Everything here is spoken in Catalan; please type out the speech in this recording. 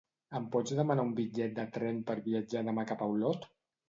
Em pots demanar un bitllet de tren per viatjar demà cap a Olot?